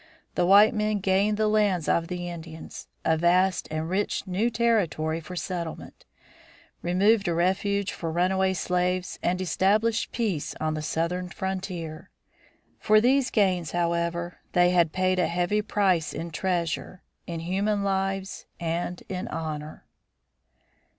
The white men gained the lands of the Indians, a vast and rich new territory for settlement, removed a refuge for runaway slaves, and established peace on the Southern frontier. For these gains, however, they had paid a heavy price in treasure, in human lives, and in honor.